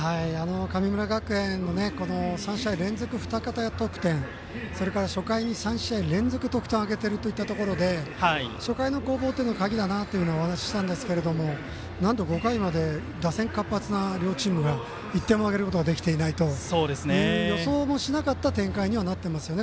神村学園の３試合連続２桁得点、それから３試合に連続得点を挙げているところで初回の攻防というのは鍵だなと私はお話したんですがなんと５回まで打線活発な両チームが１点も挙げることができていないという予想もしなかった展開にはなっていますよね